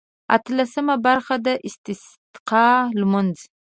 اتلسمه برخه د استسقا لمونځ.